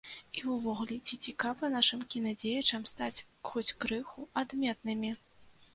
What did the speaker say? І ўвогуле, ці цікава нашым кінадзеячам стаць хоць крыху адметнымі?